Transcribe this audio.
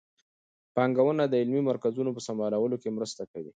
بانکونه د علمي مرکزونو په سمبالولو کې مرسته کوي.